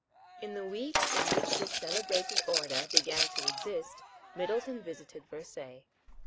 In the week in which this celebrated order began to exist Middleton visited Versailles.